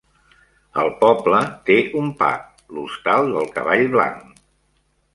El poble té un pub: L'Hostal del Cavall Blanc.